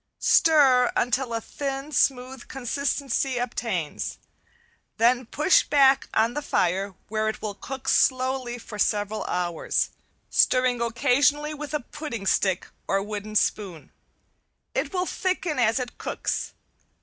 Stir until a thin, smooth consistency obtains, then push back on the fire where it will cook slowly for several hours, stirring occasionally with a "pudding stick" or wooden spoon. It will thicken as it cooks.